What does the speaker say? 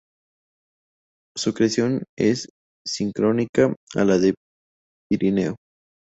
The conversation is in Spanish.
Su creación es sincrónica a la del Pirineo.